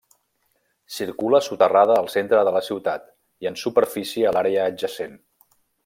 Circula soterrada al centre de la ciutat i en superfície a l'àrea adjacent.